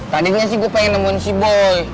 tadinya sih gue pengen nemuin si boy